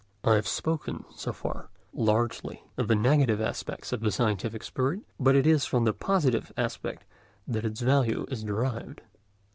I have spoken so far largely of the negative aspect of the scientific spirit, but it is from the positive aspect that its value is derived.